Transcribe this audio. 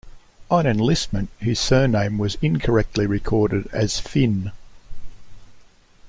On enlistment his surname was incorrectly recorded as "Fynn".